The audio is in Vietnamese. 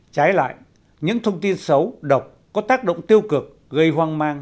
trái lại những thông tin xấu độc có tác động tiêu cực gây hoang mang